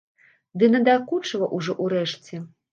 Ды надакучыла ўжо ўрэшце.